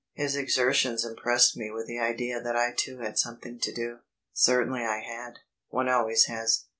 His exertions impressed me with the idea that I too had something to do. Certainly I had. One always has.